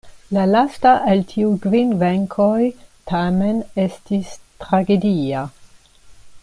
La lasta el tiuj kvin venkoj tamen estis tragedia.